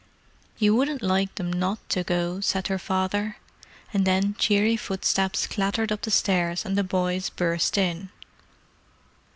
"You wouldn't like them not to go," said her father. And then cheery footsteps clattered up the stairs, and the boys burst in.